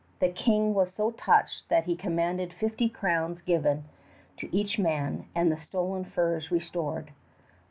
The King was so touched that he commanded fifty crowns given to each man and the stolen furs restored.